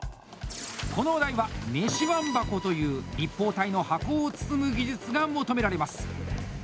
このお題は「飯椀箱」という立方体の箱を包む技術が求められます。